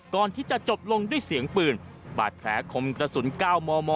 ก่อนที่จะจบลงด้วยเสียงปืนบาดแผลคมกระสุน๙มม